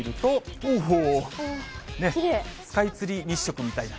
おお、スカイツリー日食みたいな。